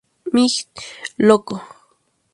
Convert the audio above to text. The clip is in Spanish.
Midget Loco.